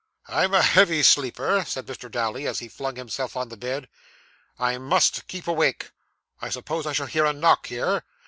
'I'm a heavy sleeper,' said Mr. Dowler, as he flung himself on the bed. 'I must keep awake. I suppose I shall hear a knock here.